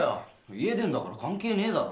家出んだから関係ねえだろ！